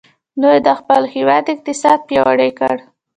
دوی د خپل هیواد اقتصاد پیاوړی کړ.